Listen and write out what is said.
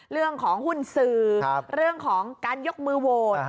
เรื่องของหุ้นสื่อเรื่องของการยกมือโหวต